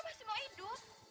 aku masih mau hidup